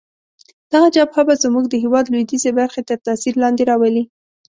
دغه جبهه به زموږ د هیواد لویدیځې برخې تر تاثیر لاندې راولي.